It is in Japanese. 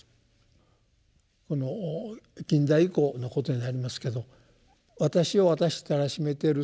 この近代以降のことになりますけど私を私たらしめてる